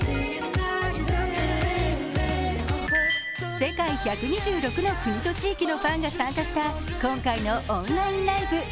世界１２６の国と地域のファンが参加した今回のオンラインライブ。